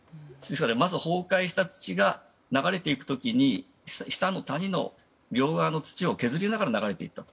崩壊した土が流れていく時に下の谷の両側の土を削りながら流れていったと。